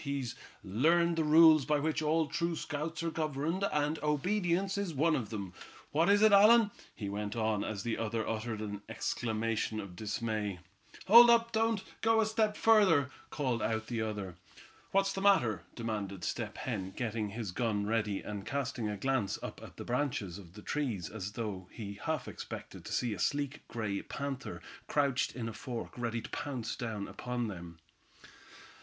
He's learned the rules by which all true scouts are governed, and obedience is one of them. What is it, Allan?" he went on, as the other uttered an exclamation of dismay. "Hold up, don't go a step further!" called out the other. "What's the matter?" demanded Step Hen, getting his gun ready, and casting a glance up at the branches of the trees as though he half expected to see a sleek gray panther crouched in a fork, ready to pounce down upon them.